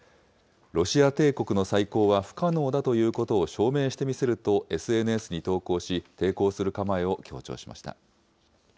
ロシア帝国の再興は不可能だということを証明してみせるとＳＮＳに投稿し、抵抗する構えを強調しました。